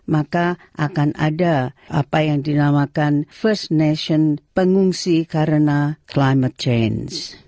maka akan ada apa yang dinamakan first nation pengungsi karena climate change